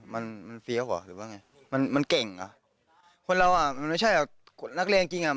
มันมันหรือว่าไงมันมันเก่งอ่ะคนเราอ่ะมันไม่ใช่อย่างคนนักเรียนจริงอ่ะ